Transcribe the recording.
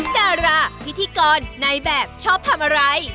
ดาราพิธีกรในแบบชอบทำอะไร